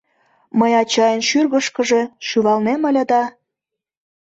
Мый ачайын шӱргышкыжӧ шӱвалнем ыле да...